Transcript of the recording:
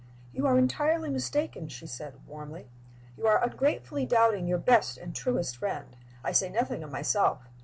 "You are entirely mistaken," she said, warmly. "You are ungratefully doubting your best and truest friend. I say nothing of myself.